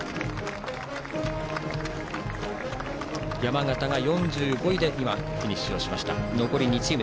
山形が４５位でフィニッシュしました。